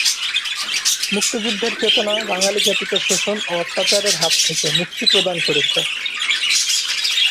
মুক্তিযুদ্ধের চেতনা বাঙালি জাতিকে শোষণ ও অত্যাচারের হাত থেকে মুক্তি প্রদান করেছে।